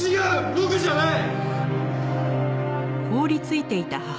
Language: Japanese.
僕じゃない！